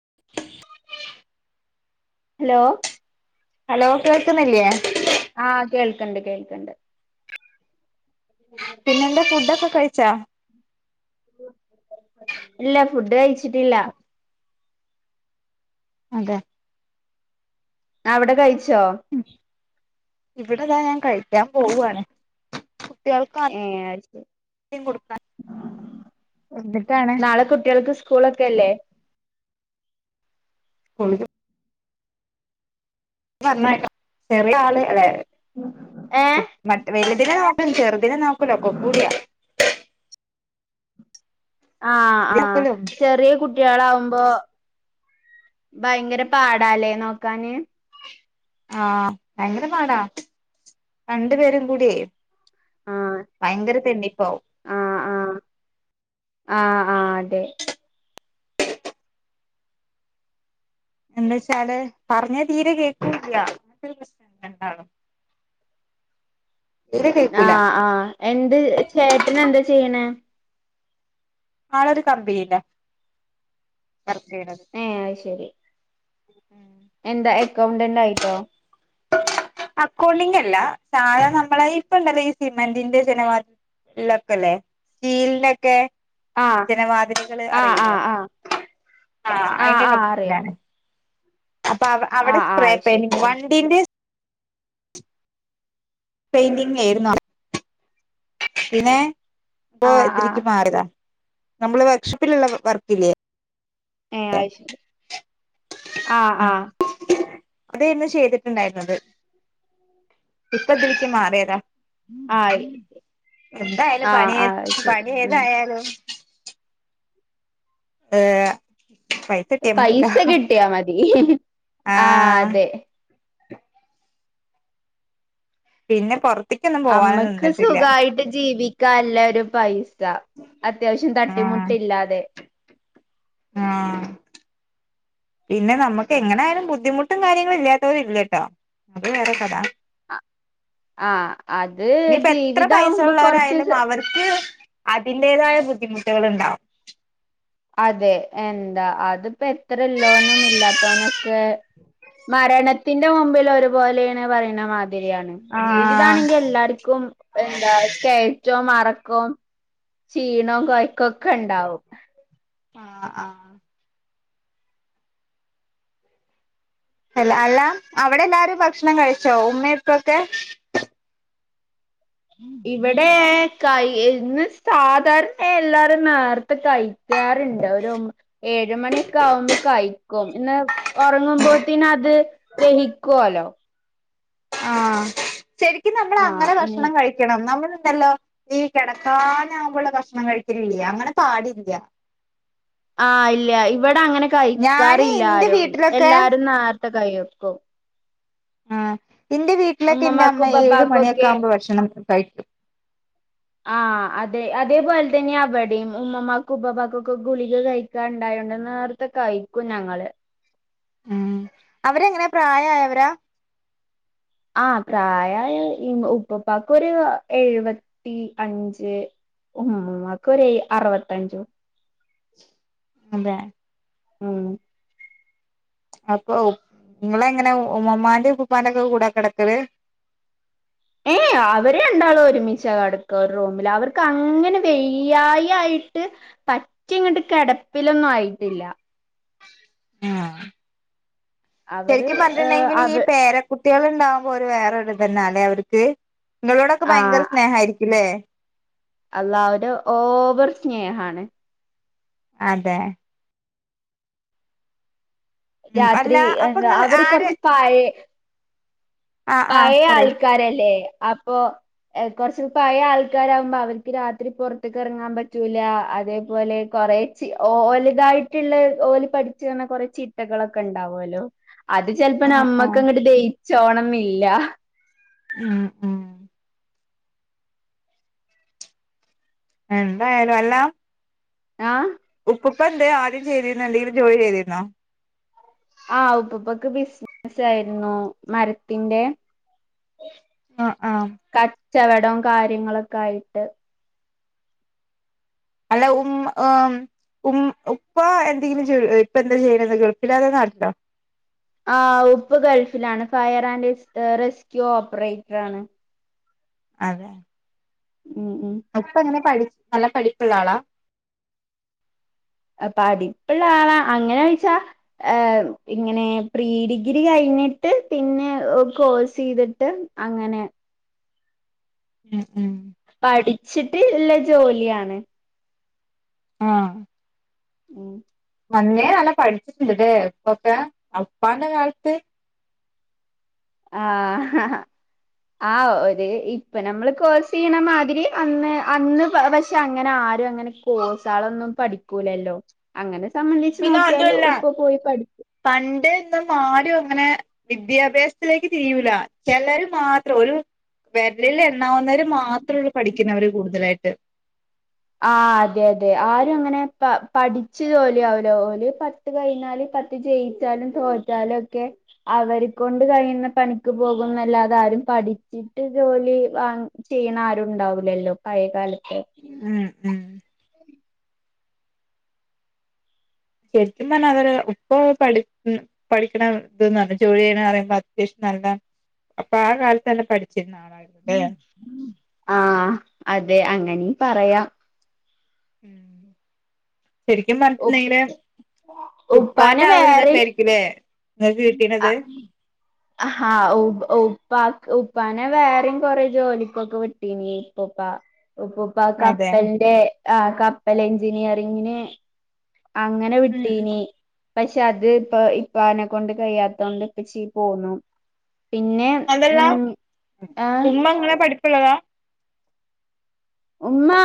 [inaudible] Hello hello കേൾക്കുന്നില്യേ ആ കേൾക്കണ്ട് കേൾക്കണ്ട് പിന്നെന്താ ഫുഡൊക്കെ കഴിച്ചാ ഇല്ല ഫുഡ് കഴിച്ചിട്ടില്ല അതെ അവിടെ കഴിച്ചോ ഉം ഇവിടെതാ ഞാൻ കഴിക്കാൻ പോവാണ് കുട്ടികൾകക്കാ ഏഹ് അത് ശരി ദ്യം കൊടുക്കാൻ വന്നിട്ടാണ് നാളെ കുട്ടികൾക്ക് സ്കൂളൊക്കെല്ലേ കോളേജ് ജ് പറഞേട്ടോ ചെറിയ ആള് ലേ ഏ മറ്റ് വലുതിനെ നോക്കലും ചെറുതിനെ നോക്കലോക്കകൂടിയാ ആ ആഹ നോക്കലും ചെറിയ കുട് കുട്ടികളാവുമ്പോ ഭയങ്കര പാടല്ലേ നോക്കാന് ആ ഭയങ്കര പാടാ രണ്ടു പേരും കൂടിയ് ആഹ് ഭയങ്കര തെന്നിപ്പാവു. ആഹ് ആഹ് ആഹ് ആഹ് അതെ. എന്തച്ചാല് പർഞ്ഞ തീരെ കേക്കൂല്ല്യ രണ്ടാളും. തീരെ കേക്കൂല ആഹ് ആഹ് എന്ത് ചേട്ടനെന്ത ചെയ്യണെ. ആളൊരു കമ്പിനിയില വർക്കെയ്യ്ണത്. ഏഹ് അയ് ശരി. എന്ത എക്കൗണ്ടന്റയ്ട്ടോ. അക്കൗണ്ടിങ്ല്ല സാധ നമ്മളെ ഇപ്പണ്ടല്ലോ ഈ സിമെന്റിന്റെ ജനവാ ലക്കല്ലേ സ്റ്റീൽന്റെക്കെ ആഹ് ജനവാതില്കള് ആഹ് അറിയൂലെ. ആഹ് ആഹ് ആഹ് അയിന്റെ ആഹ് അറിയാം കമ്പനിലാണ്. അപ്പ അവ അവടെ ആഹ് ആഹ് സ്പ്രേ അത് ശരി പെയിന്റിങ് വണ്ടിന്റെ. പെയ്ന്റിങ്ങെര്ന്നു പിന്നെ പ്പൊ ആഹ് ആഹ് ഇതിലിക്ക് മാറ്യതാ. നമ്മള് വർക്ക്ശ്പ്പില്ള്ള വ വർക്കില്ലേ. ഏഹ് ആയ്ശെരി അഹ് അഹ്. തെര്ന്നു ചെയ്തിട്ടുണ്ടായിര്ന്നത്. ഇപ്പതിൽക്ക് മാറ്യതാ. ആഹ് എന്തായാലും ആഹ് പണ്യേ ആഹ് അത് ശരി ഉം പണ്യേതായാലും. ഏഹ് പൈസട്ട്യാ മത്യല്ലോ പൈസ കിട്ടിയാ മതി ആഹ്. പിന്നെ പൊർ അമ്മക്ക് സുഖായിട്ട് ജീവി ക്കാല്ലരു പൈസ അത്യാവശ്യം ആഹ് തട്ടിമുട്ടില്ലാതെ. ആഹ്. പിന്നെ നമ്മക്കെങ്ങനായാലും ബുദ്ധിമുട്ടും കാര്യങ്ങളും ഇല്ലാത്തവരില്യട്ടോ അത് വേറെ കഥ. ആഹ് അത് നിപ്പെത്ര ജീവിതാവുമ്പോ കൊറച്ച് പൈസള്ളവരായാലും അവർ അതിന്റതായ ബുദ്ധിമുട്ടുകള്ണ്ടാവും. അതെ എന്താ അത്പ്പ എത്രല്ലോനും ഇല്ലാത്തോനൊക്കെ. മരണത്തിന്റെ മുമ്പിലൊരുപോലെണ് പറിണ മാതിര്യാണ്. ആഹ് ജീവിതാണെങ്കി എല്ലാര്ക്കും എന്താ കെയറ്റും എറക്കും. ക്ഷീണോം കൊയക്കൊക്കെണ്ടാവും. ആഹ് ആഹ്. എല്ല അല്ല അവിടെല്ലാരും ഭക്ഷണം കഴിച്ചോ ഉമ്മെപ്പൊക്കെ. ഇവടെ കൈ ഇന്ന് സാധാരണയെല്ലാരും നേര്ത്തെ കൈ ക്കാറിണ്ട് ഒരും. ഏഴ് മണ്യൊക്കെ ആവുമ്പ കയിക്കും ഇന്ന് ഒർങ്ങുമ്പോത്തിനത്. ദഹിക്ക്വോലോ. ആഹ് ശെരിക്കും നമ്മളങ്ങന ആഹ് ഇ ഭക്ഷണം കഴ് ക്ക്യണം നമ്മളുണ്ടല്ലോ ഈ കെടക്കാനാവുമ്പള്ള ഭക്ഷണം കഴിക്ക്യലില്ലേ അങ്ങനെ പാടില്യ. [inaudible] ആഹ് ഇല്ല്യ ഇവടങ്ങനെ ഞാന് ഇന്റെ കഴിക്കാറില്ലാരും വീട്ടിലൊക്കെ എല്ലാരും നേർത്തെ കൈയ്ക്കും. ആഹ് ഇന്റെ വീട്ടിലൊക്കെ ഉമ്മമാക്കും ന്റെമ്മ ഏഴ് ഉപ്പപ്പാക്കും മണിയൊക്കെ ഒക്കെ ആവുമ്പ ഭക്ഷണം കഴിക്കും. ആഹ് അതെ അതേപോൽതന്നെ അവടീം ഉമ്മമാക്കും ഉപ്പപ്പാക്കൊക്കെ ഗുളിക കഴിക്കാണ്ടായൊണ്ട് നേർത്ത് ത്തെ കഴിക്കും ഞങ്ങള്. ഉം അവരെങ്ങനെ പ്രായായവരാ? ആഹ് പ്രായയ ഇ ഉപ്പപ്പാക്കൊരു എഴുവത്തി അഞ്ച്. ഉമ്മൂമ്മാക്കൊരു എയ് അറുവത്തഞ്ചും. അതെ. ഉം. അപ്പൊ ഉ ങ്ങളെങ്ങനെ ഉമ്മമാന്റെ ഉപ്പുപ്പാന്റൊക്കെ കൂടെ കെടക്കല്. ഏയ് അവര് രണ്ടാളും ഒരുമിച്ചാ കടക്ക ഒരു റൂമില് അവർക്കങ്ങനെ വെയ്യായി ആയിട്ട്. പറ്റങ്ങട്ട് കെടപ്പിലൊന്നു ആയിട്ടില്ല. ആഹ് അവര് ശെരിക്കും പറഞ്ഞിട്ടുണ്ടെങ്കില് അവ ഈ പേര കുട്ട്യാള്ണ്ടാവുമ്പോ ഒരു വേറൊരു ഇത് തന്നല്ലെ അവർക്ക് നന്മളോടൊക്കെ ആ ഭയങ്കര സ്നേഹായിരിക്കും ല്ലേ അള്ളാ ഒര് ഓവർ സ്നേഹാണ് അതെ ഉം അല്ല രാത്രി അപ്പൊ ഇങ്ങള് അവര് ആര് കൊറച്ച് പഴെ ആഹ് ആഹ് പഴയ പറയ് ആൾക്കാ ൾകാരല്ലേ അപ്പൊ കൊറച്ച് പഴയ ആൾക്കാരാവുമ്പോ അവർക്ക് രാത്രി പൊർത്ത്ക്കെറങ്ങാൻ പറ്റൂല അതേപോലെ കൊറെ ഓലുതായിട്ട്ള്ള ഓലി പഠിച്ച കുറെ ചി ട്ടകളൊക്കെണ്ടാവോല്ലോ അത് ചെൽപ്പോ ആഹ് ആഹ് നമ്മക്കങ്ങട്ട് ദയിച്ചോണം എന്നില്ല ഉം ഉം എന്തായാലും അല്ല ആഹ് ഉപ്പൂപ്പെന്തേ ആദ്യം ചെയ്തിന്നെ എന്തെങ്കിലും ജോലി ചെയ്തിര്ന്നോ? ആഹ് ഉപ്പുപ്പക്ക് ബിസ്നസായിര്ന്നു മരത്തിന്റെ ആഹ് ആഹ് കച്ചവടം കാര്യങ്ങളൊക്കെ ആയിട്ട് അല്ല ഉം ആഹ് ഉം ഉപ്പ എന്തെങ്കിലും ചെയ്ണ എന്താ ചെയ്യ്ണത് ഗൾഫിലാ അതോ ന്നാട്ടിലോ? ആഹ് ഉപ്പ് ഗൾഫിലാണ് ഫയർ ആൻഡ് റെസ്ക്യൂ ഓപ്പറേറ്ററാണ്. അതെ ഉം ഉം ഉപ്പ എങ്ങനെ പഠി നല്ല പഠപ്പ്ള്ള ആളാ എഹ് പഠിപ്പ്ള്ളാ ആള അങ്ങനെ ചോയിച്ച എഹ് ഇങ്ങനെ പ്രീ ഡിഗ്രി കഴിഞ്ഞിട്ട് പിന്നെ കോഴ്സെയ്തിട്ട് അങ്ങനെ ഉം ഉം പഠിച്ചിട്ട് ഉള്ള ജോലിയാണ് ആഹ് ഉം അന്നെന്നല്ല പഠിച്ചിട്ടുണ്ട്ല്ലേ ഇപ്പൊക്കെ അപ്പാന്റെ കാലത്ത്. ആഹ് ആഹ് ഒരു ഇപ്പ നമ്മള് കോഴ്സെയ്യ്ണ മാതിരി അന്ന് അന്ന് പ പശ് ഷെ അങ്ങനെ ആരും അങ്ങനെ കോഴ്സ്സാളൊന്നും പഠിക്കൂലല്ലോ അങ്ങനെ സംബന്ധിച്ച് പിന്നെ നോക്കിയാല് അതുല്ല ഉപ്പ പോയി പഠിച്ചു. പണ്ട് ഇന്നമാരും അങ്ങനെ വിദ്യാഭ്യാസത്തിലേക്ക് തിരിയൂല ചെലര് മാത്രം ഒരു വെരലിൽ എണ്ണാവുന്നവര് മാത്രമൊള്ളൂ പഠിക്കുന്നവര് കൂടുതലായിട്ട്. ആഹ് അതെ അതെ ആരും അങ്ങനെ പ പഠിച്ച് ജോലിയാവലോ ഓല് പത്ത് കഴിഞ്ഞാല് പത്ത് ജയിച്ചാലും തോറ്റാലൊക്കെ അവരേ കൊണ്ട് കഴിയുന്ന പണിക്ക് പോകുന്നല്ലാതെ ആരും പഠിച്ചിട്ട് ജോലി വാങ്ങ് ചെയ്യണാരുണ്ടാവ് ലല്ലോ പഴയകാലത്ത് ഉം ഉം ശെരിക്കും പറഞ്ഞതൊരു ഇപ്പോ പഠിക്കും പഠിക്കണം ഇതൊന്ന് ജോലി ചെയ്യണ പറയുമ്പോ അത്യവശ്യം നല്ല അപ്പൊ ആഹ് കാലത്തെന്നെ പഠിച്ചിരുന്ന ആളാണ്ലെ. ആഹ് അതെ അങ്ങനെ പറയാം ഉം ശെരിക്കും ഉപ്പ് പറഞ്ഞിട്ടണ്ടെങ്കില് ഉപ്പാന്റെ ആഹ് ഒര് ഇതൊക്കെ ആയിര്ക് പിന്നെ ആഹ് ആഹ് ഉമ്പ് ഉപ്പക് ഉപ്പാനെ വേറിം കൊറെജോലിക്കൊക്കെ വിട്ടീനി ഇപ്പൊപ്പാ. ഉപ്പൂപ്പ അതെ കപ്പൽന്റെ ആഹ് കപ്പൽ എഞ്ചിനീയറിങ്ങിന് അങ്ങനെ ഉം ഉം വിട്ടീനി. പഷെ അത് ഇപ്പൊ ഇപ്പാനെ കൊണ്ട് കയ്യാതൊണ്ട് ഇപ്പച്ചീ പോന്നു പിന്നെ അതെല്ലാ ഉം ആഹ് ഉമ്മങ്ങെനെ പഠിപ്പ്ള്ളതാ? ഉമ്മ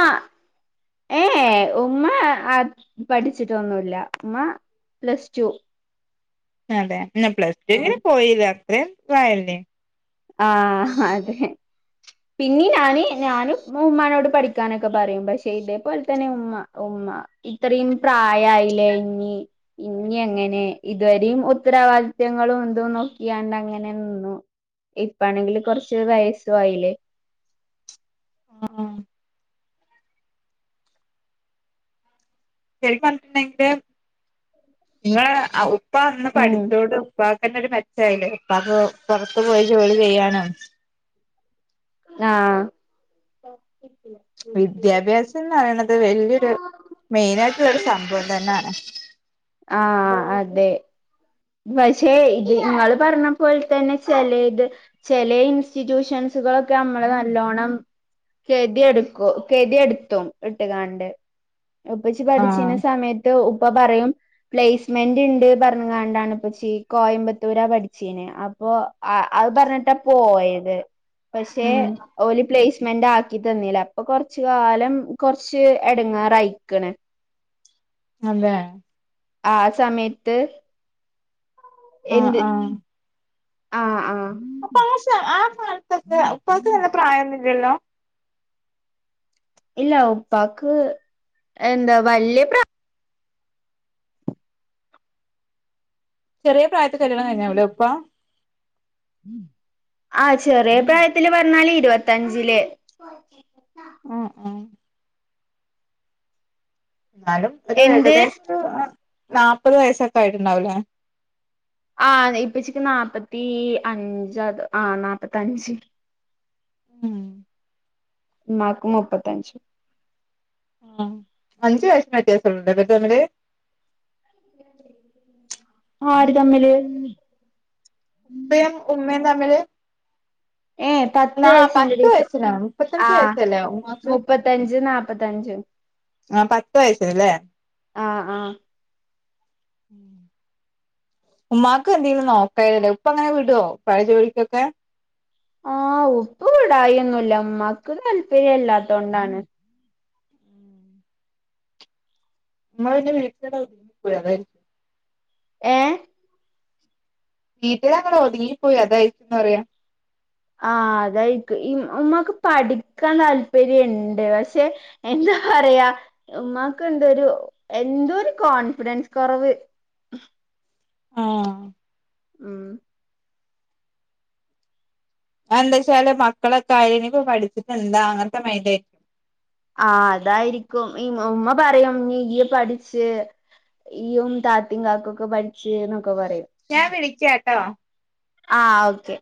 ഏഹ് എഹ് ഉമ്മ അത് പഠിച്ചിട്ടൊന്നുല്ല ഉമ്മ പ്ലസ് റ്റു അതെ ന്നപ്ലസ് റ്റു എങ്കിലും പോയിലെ അത്രേംതായില്ലേ ആഹ് അതെ പിന്നീ ഞാന് ഞാനും ഉമ്മാനോട് പഠിക്കാനൊക്കെ പറയും പഷെ ഇതേപോലെ തന്നെ ഉമ്മ ഉമ്മ. ഇത്രയും പ്രായായില്ലേ ഇഞ്ഞി ഇഞ്ഞി അങ്ങനെ ഇതരിം ഉത്തരവാദിത്ത്യങ്ങളും ഇതും നോക്കിയാണ്ട് അങ്ങനെന്നിന്നു. ഇപ്പാണെങ്കില് കുറച്ച് വയസ്സ് ആയില്ലേ ആഹ് പറഞ്ഞിട്ടുണ്ടെങ്കില് നിങ്ങള് ഉപ്പ അന്ന് ഉം പഠിച്ചോണ്ട് ഉപ്പ [unintelligible] ഉപ്പാക്ക്പുറത്തു പോയി ജോലി ചെയ്യാനോ ആഹ് വിദ്യാഭ്യാസം എന്ന് പറയണത് വല്യരു മെയിന് ആയിട്ടുള്ളൊരു സംഭവം തന്നെയാണ് ആഹ് അതെ പക്ഷെ ഇത് നിങ്ങളൾ പറഞ്ഞ പോലെ തന്നെ ചില ത് ചെല ഇൻസ്റ്റിറ്റ്യൂഷൻസുകളൊക്കെ നമ്മള് നല്ലോണ്ണം കെതി എടുക്കും കെതി എടുത്തും ഇട്ട് കാണ്ട് ഉപച്ചി പഠിച്ചിന്ന ആഹ് സമയത്ത് ഉപ്പ പറയും പ്ലേസ്മെന്റ് ണ്ട് പറഞ്ഞു കാട്ട് ണ്ടാണ് പ്പച്ചി കോയമ്പത്തൂരാ പഠിച്ചിനിയെ അപ്പൊ അത് പറഞ്ഞിട്ടാ പോയത് പക്ഷെ ഉം ഓൽ പ്ലേസ്മെന്റ് ആ ആക്കി തന്നി ല്ല അപ്പൊ കൊറച്ച കാലം കൊറച്ച് എടങ്ങാറയിക്ണ് അതെ ആ സമയത്ത് ആഹ് ആഹ് ആ ആഹ് അപ്പൊ ആ. ആ കാലത്തൊക്ക ഉപ്പാക്ക് നല്ല പ്രായന്നുല്ലല്ലോ ഇല്ല ഉപ്പാക്ക് എന്താ വലിയ പ്രാ ചെറിയ പ്രായത്ത് കല്യാണം കഴിഞ്ഞാവു ല്ലോ ഉപ്പ ആ ചെറിയ പ്രായത്തില് പറഞ്ഞാല് ഇരുപത്തഞ്ചില് ആ ആഹ് എന്നാലും ഒരു എന്ത് ഏകദേശം ഒരു നാല്പത് വയസ്സൊക്കെ ആയിട്ടുണ്ടാവൂലേ ആ ഇപ്പച്ചി ക്ക് നാപത്തി അഞ്ച് അത് ആഹ് നാപത്തി അഞ്ച് ഉം ഉമ്മാ ക്ക് മുപ്പത്തഞ്ച് ആ അഞ്ചു വയസ്സിന് വ്യത്യാസമുണ്ട് അവർ തമ്മിൽ ആര് തമ്മില് ഉപ്പയും ഉമ്മയും തമ്മില് ഏ പത്ത് ആ വയസിന്റെ പത്ത് ഡിഫ്ര വയസ്സിനാണ് മുപ്പത്തഞ്ച് ആ വയസ്സല്ലേ ഉമ്മാക്ക് മുപ്പത്തഞ്ച് നാപ്പ മുപ്പത്തഞ്ച് ആ പത്ത് വയസ്ന് ലേ ആഹ ആഹ ഉം ഉമ്മാക്ക് എന്തെങ്കിലും നോക്കേനിലേ ഇപ്പങ്ങനെ വിടു ഓ പഴ ജോലിക്കൊക്കെ ആഹ് ഉപ്പവിടായിന്നുല്ല ഉമ്മക്ക് താല്പര്യ ഇല്ലാത്തോണ്ടാണ് [inaudible] ഏ വീട്ടിൽ അങ്ങെ ഒതുങ്ങി പോയി അത് ന്ന് പറയാ ആ അതായിക് ഉമ്മാ ക്ക് പഠിക്കാൻ താല്പര്യംണ്ട് പക്ഷെ എന്താ പറയാ ഉമ്മാക്ക് എന്തരു എന്തോ ഒരു കോൺഫിഡൻസ് കുറവ് ആഹ് ഉം എന്താ വച്ചാല് മക്കളൊക്കെ ആയിനി ഇപ്പ പഠിച്ചിട്ട് എന്താ അങ്ങനത്തെ മൈൻറ്റ് ആ അതായിരിക്കും ഉമ്മ പറയാം നിയ് പഠിച്ച് ഇയും താത്തിം കാകു ക്കെ പഠിച്ച എന്നൊക്കെ പറയും ഞാൻ വിളിക്ക ട്ടോ അഹ് ഓക്കെ